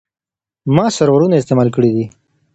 ما سرورونه استعمال کړي دي.